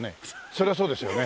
そりゃそうですよね。